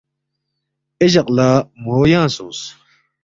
اے جق لہ مو ینگ سونگس